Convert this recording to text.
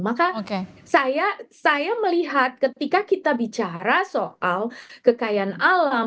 maka saya melihat ketika kita bicara soal kekayaan alam